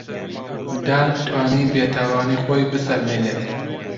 دان توانی بێتاوانی خۆی بسەلمێنێت.